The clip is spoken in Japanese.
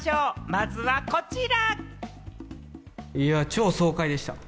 まずはこちら！